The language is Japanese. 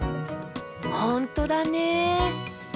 ほんとだね。